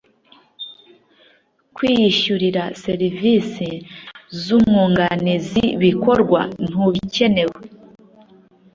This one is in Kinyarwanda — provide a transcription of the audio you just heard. Kwiyishyurira serivisi z’ umwunganizi bikorwa ntuzicyeneye